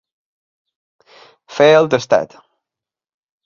Fer el tastet.